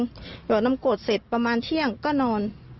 เดี๋ยวนำโกรธเสร็จประมาณเที่ยงก็นอน